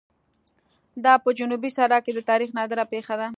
دا په جنوبي صحرا کې د تاریخ نادره پېښه ده.